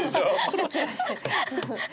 キラキラして。